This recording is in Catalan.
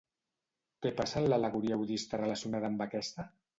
Què passa en l'al·legoria budista relacionada amb aquesta?